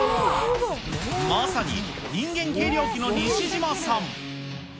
まさに人間計量器の西島さん。